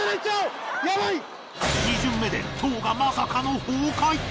２巡目で塔がまさかの崩壊。